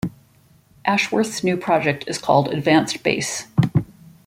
Ashworth's new project is called Advance Base.